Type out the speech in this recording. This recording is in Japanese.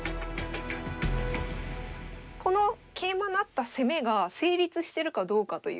この桂馬成った攻めが成立してるかどうかという。